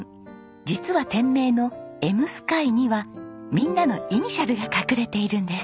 実は店名の「ｅｍ．ｓｋｙ」にはみんなのイニシャルが隠れているんです。